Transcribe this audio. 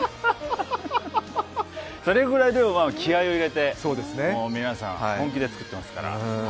それぐらい気合いを入れて皆さん本気で作ってますから。